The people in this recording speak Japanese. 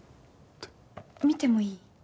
見てもいい？